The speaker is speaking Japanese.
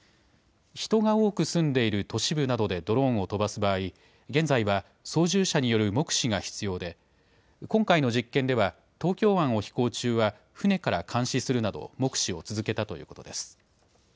人が多く住んでいる都市部などでドローンを飛ばす場合、現在は操縦者による目視が必要で、今回の実験では、東京湾を飛行中は、船から監視するなど、目視を続けたということです。